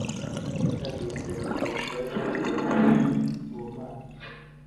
haracyari urusengero rushaje rudafite ubumana